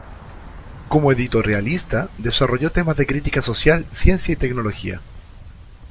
Como editorialista desarrolló temas de crítica social, ciencia y tecnología.